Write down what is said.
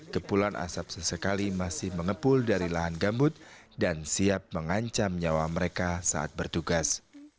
kepulan asap sesekali masih mengepul dari lahan gambut dan siap mengancam nyawa mereka saat bertugas